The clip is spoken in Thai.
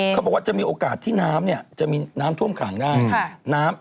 เขาบอกว่าจะมีโอกาสที่น้ำจะมีน้ำท่วมขลางด้วย